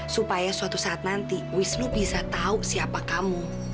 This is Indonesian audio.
supaya suatu saat nanti wisnu bisa tahu siapa kamu